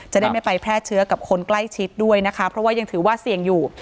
จะได้ไม่ไปแพร่เชื้อกับคนใกล้ชิดด้วยนะคะเพราะว่ายังถือว่าเสี่ยงอยู่